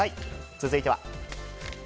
続いては。